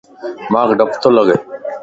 مانک ڊپَ تو لڳَ